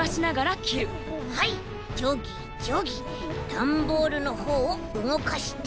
ダンボールのほうをうごかして。